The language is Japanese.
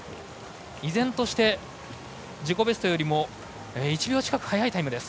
依然として、自己ベストよりも１秒近い速いタイムです。